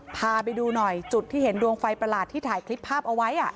พาไปดูหน่อยจุดที่เห็นดวงไฟประหลาดที่ถ่ายคลิปภาพเอาไว้